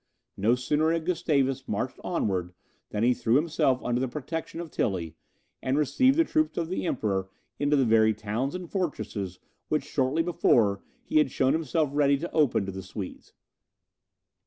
No sooner had Gustavus marched onwards than he threw himself under the protection of Tilly, and received the troops of the Emperor into the very towns and fortresses, which shortly before he had shown himself ready to open to the Swedes.